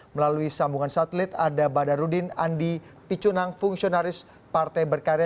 melalui sambungan satelit ada badarudin andi picunang fungsionaris partai berkarya